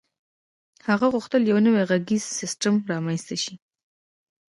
هغه غوښتل یو نوی غږیز سیسټم رامنځته شي